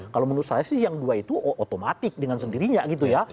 kalau menurut saya sih yang dua itu otomatis dengan sendirinya gitu ya